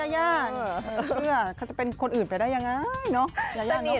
อย่าเขาจะเป็นคนอื่นไปได้ง่ายเนอะ